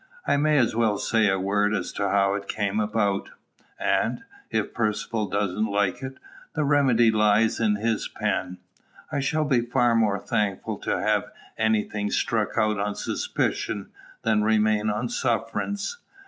I may as well say a word as to how it came about; and, if Percivale doesn't like it, the remedy lies in his pen. I shall be far more thankful to have any thing struck out on suspicion than remain on sufferance.